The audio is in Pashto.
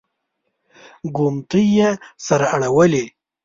ګوتمۍ يې سره اړولې.